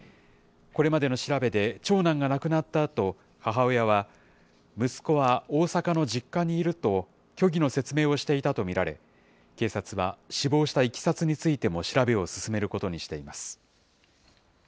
これまでの調べで、長男が亡くなったあと、母親は、息子は大阪の実家にいると虚偽の説明をしていたと見られ、警察は死亡したいきさつについても調べを進めることにしています。